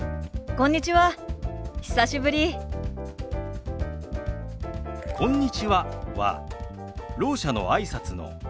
「こんにちは」はろう者のあいさつの基本です。